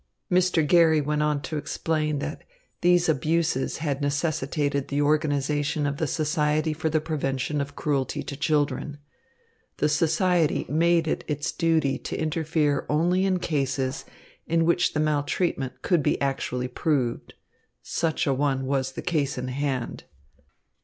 Mr. Garry went on to explain that these abuses had necessitated the organisation of the Society for the Prevention of Cruelty to Children. The society made it its duty to interfere only in cases in which the maltreatment could be actually proved. Such a one was the case in hand.